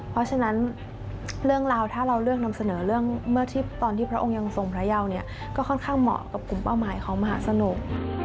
เพราะฉะนั้นถ้าเราเลือกที่พระองค์ยังทรงพระยาวก็ค่อนข้างเหมาะกับกลุ่มเป้าหมายของมหาสนุก